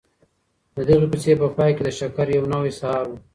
د دغي کوڅې په پای کي د شکر یو نوی سهار و.